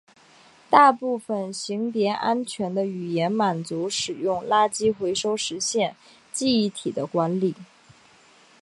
大部分型别安全的语言满足使用垃圾回收实现记忆体的管理。